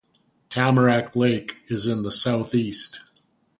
Tamarack Lake is in the southeast.